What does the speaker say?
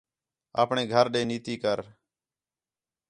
آپݨے گھر ݙے نیتی کر